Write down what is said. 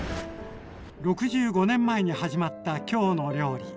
６５年前に始まった「きょうの料理」。